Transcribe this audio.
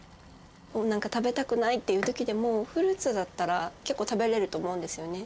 もうなんか食べたくないっていう時でもフルーツだったら結構食べれると思うんですよね。